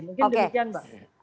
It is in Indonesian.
mungkin demikian mbak